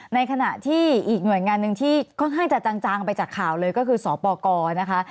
ในขณะที่อีกหน่วยงานหนึ่งที่ค่อนข้างจะจางไปจากข่าวเลยก็คือสปกรนะคะ